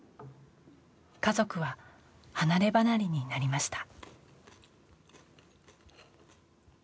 家族は離れ離れになりました。